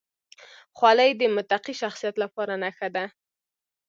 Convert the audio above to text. خولۍ د متقي شخصیت لپاره نښه ده.